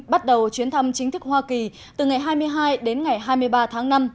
bắt đầu chuyến thăm chính thức hoa kỳ từ ngày hai mươi hai đến ngày hai mươi ba tháng năm